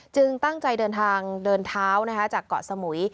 ตั้งใจเดินทางเดินเท้าจากเกาะสมุย